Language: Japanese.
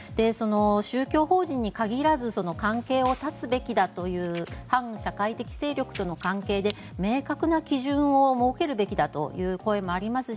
宗教法人に限らず関係を断つべきだという反社会的勢力との関係で明確な基準を設けるべきだという声もあります